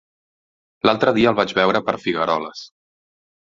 L'altre dia el vaig veure per Figueroles.